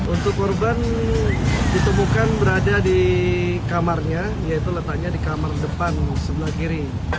untuk korban ditemukan berada di kamarnya yaitu letaknya di kamar depan sebelah kiri